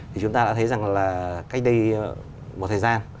thì chúng ta đã thấy rằng là cách đây một thời gian